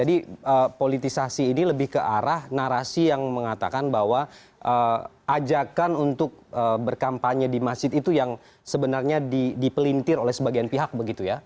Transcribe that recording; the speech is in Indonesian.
jadi politisasi ini lebih ke arah narasi yang mengatakan bahwa ajakan untuk berkampanye di masjid itu yang sebenarnya dipelintir oleh sebagian pihak begitu ya